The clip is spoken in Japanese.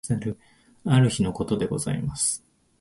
ある日の事でございます。